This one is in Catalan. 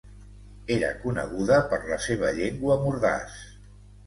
Era coneguda per la seva llengua mordaç.